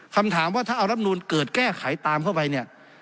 คำถามว่าถ้าเอารำนูลเกิดแก้ไขตามเข้าไปเนี่ย